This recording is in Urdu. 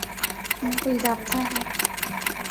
نہ کوئی ضابطہ ہے۔